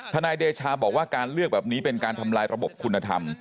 นายเดชาบอกว่าการเลือกแบบนี้เป็นการทำลายระบบคุณธรรม